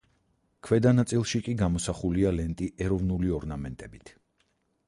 ქვედა ნაწილში კი გამოსახულია ლენტი ეროვნული ორნამენტებით.